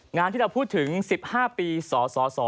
งานที่เราพูดถึง๑๕ปีสส